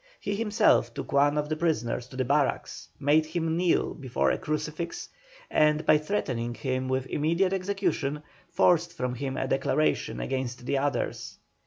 He himself took one of the prisoners to the barracks, made him kneel before a crucifix, and by threatening him with immediate execution, forced from him a declaration against the others.